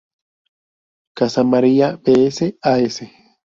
Casa Amarilla, Bs As.